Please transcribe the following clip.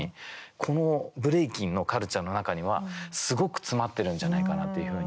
このブレイキンのカルチャーの中にはすごく詰まってるんじゃないかなというふうに。